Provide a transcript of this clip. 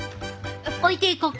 置いていこか。